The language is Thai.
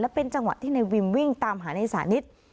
เป็นจังหวะที่นายวิมวิ่งตามหาในสานิท